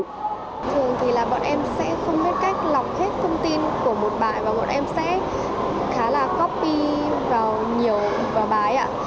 thường thì là bọn em sẽ không biết cách lọc hết thông tin của một bạn và bọn em sẽ khá là copy vào nhiều và bài ạ